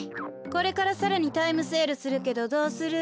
これからさらにタイムセールするけどどうする？